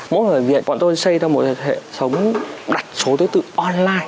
mỗi hội viện bọn tôi xây ra một hệ thống đặt số tư tự online